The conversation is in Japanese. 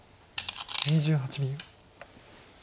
２８秒。